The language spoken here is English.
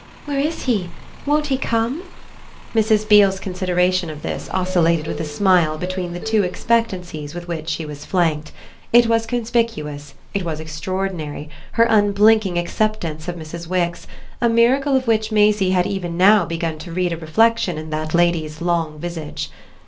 "Where is he? Won't he come?" Mrs. Beale's consideration of this oscillated with a smile between the two expectancies with which she was flanked: it was conspicuous, it was extraordinary, her unblinking acceptance of Mrs. Wix, a miracle of which Maisie had even now begun to read a reflexion in that lady's long visage.